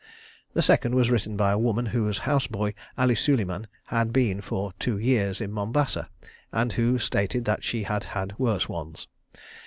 The second was written by a woman whose house boy Ali Suleiman had been for two years in Mombasa, and who stated that she had had worse ones.